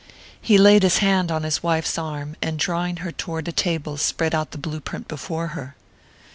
He laid his hand on his wife's arm, and drawing her toward a table spread out the blueprint before her.